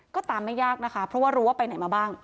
ก็ตามไม่ยากนะคะเพราะว่ารู้ว่าไปไหนมาบ้าง